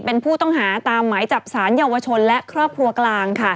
เป็นผู้ต้องหาตามหมายจับสารเยาวชนและครอบครัวกลาง